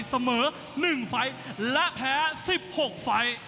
เสมอ๑ไฟล์และแพ้๑๖ไฟล์